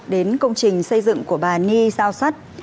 đến công trình xây dựng của bà ni giao sắt